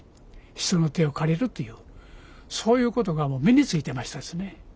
人の手を借りるというそういうことがもう身についてましたですね。